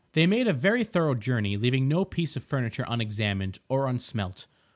They made a very thorough journey, leaving no piece of furniture unexamined, or unsmelt.